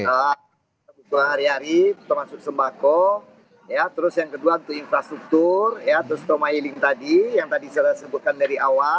kebutuhan sehari hari termasuk sembako ya terus yang kedua untuk infrastruktur terus toma healing tadi yang tadi saya sebutkan dari awal